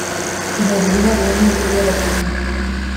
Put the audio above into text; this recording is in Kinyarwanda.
ijoro ryihariye nkijwi ryabatwara